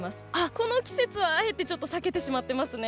この季節は、あえて避けてしまってますね。